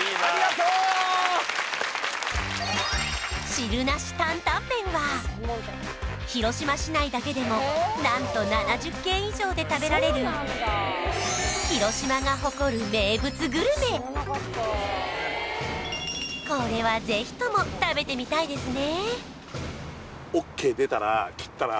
汁なし担担麺は広島市内だけでも何と７０軒以上で食べられるこれはぜひとも食べてみたいですね